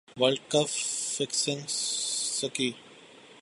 world cup fixing سکی